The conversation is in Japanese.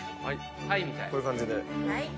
こういう感じで。